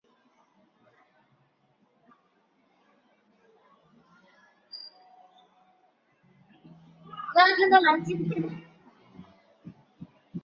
清朝及中华民国军事将领。